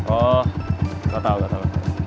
oh gak tau